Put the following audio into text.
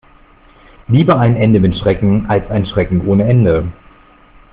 Lieber ein Ende mit Schrecken als ein Schrecken ohne Ende.